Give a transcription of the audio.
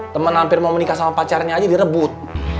temen hampir mau menikah sama pacarnya aja direbut